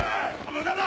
無駄だ！